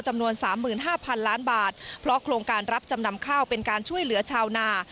จำนวน๓๕๐๐๐ล้านบาทเพราะโครงการรับจำนำข้าวเป็นการช่วยเหลือชาวนา